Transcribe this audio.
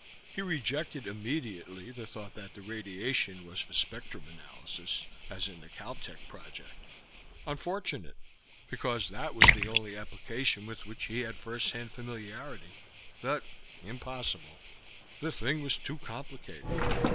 He rejected immediately the thought that the radiation was for spectrum analysis, as in the Caltech project unfortunate, because that was the only application with which he had first hand familiarity; but impossible. The thing was too complicated.